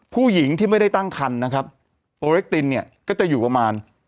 ผู้หญิงที่ไม่ได้ตั้งคันนะครับโอเรคตินเนี่ยก็จะอยู่ประมาณ